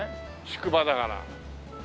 宿場だから。